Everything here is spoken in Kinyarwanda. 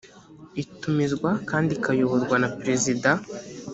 itumizwa kandi ikayoborwa na perezida